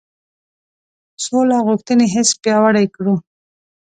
سوله غوښتنې حس پیاوړی کړو.